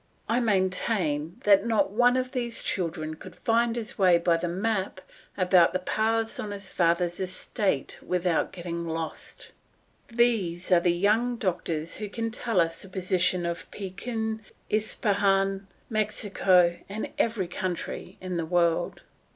I maintain that not one of these children could find his way by the map about the paths on his father's estate without getting lost. These are the young doctors who can tell us the position of Pekin, Ispahan, Mexico, and every country in the world.